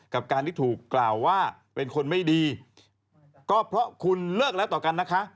กับการที่ถูกกล่าวว่าเป็นคนไม่ดีก็เพราะคุณเลิกแล้วต่อกันนะคะ